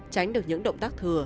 tránh được những động tác thừa